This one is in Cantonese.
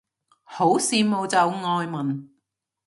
好羨慕就外文